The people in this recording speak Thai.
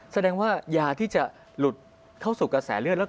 แสดงว่ายาที่จะหลุดเข้าสู่กระแสเลือด